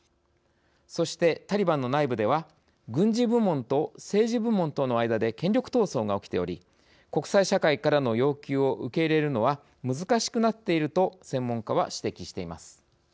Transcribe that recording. そして、タリバンの内部では軍事部門と政治部門との間で権力闘争が起きており国際社会からの要求を受け入れるのは難しくなっていると専門家は指摘しています。